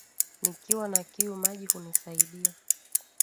Nikiwa na kiu, maji hunisaidia.